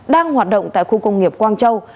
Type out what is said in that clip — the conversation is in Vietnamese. đang hoạt động tại khu công nghiệp quang châu